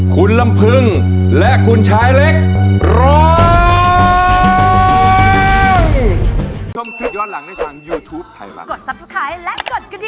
คุณลำพึงและคุณชายเล็กร้อง